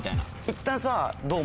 いったんさ。